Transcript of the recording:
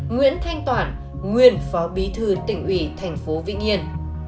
nguyễn thanh toản nguyên phó bí thư tỉnh ủy thành phố vĩnh yên